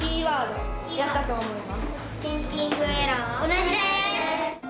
同じです。